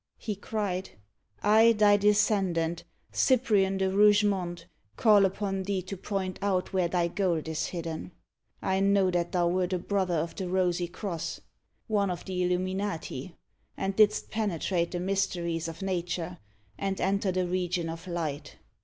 he cried. "I, thy descendant, Cyprian de Rougemont, call upon thee to point out where thy gold is hidden? I know that thou wert a brother of the Rosy Cross one of the illuminati and didst penetrate the mysteries of nature, and enter the region of light.